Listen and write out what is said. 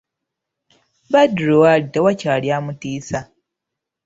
Badru waali tewakyali amutiisa!